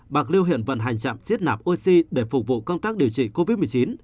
bạc liêu hiện vận hành chạm siết nạp oxy để phục vụ công tác điều trị covid một mươi chín